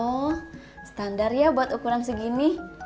oh standar ya buat ukuran segini